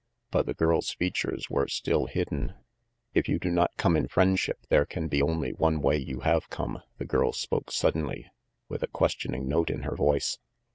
But the girl's features were still hidden. "If you do not come in friendship, there can be only one way you have come," the girl spoke sud denly, with a questioning note in her voice.